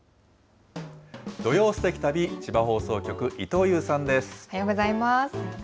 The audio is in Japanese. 土曜すてき旅、千葉放送局、おはようございます。